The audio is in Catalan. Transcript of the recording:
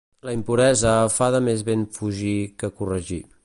La impuresa fa de més ben fugir que corregir.